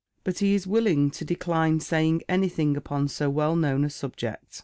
But he is willing to decline saying any thing upon so well known a subject.